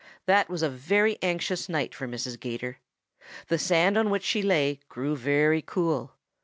That was a very anxious night for Mrs. 'Gator. The sand on which she lay grew very cool.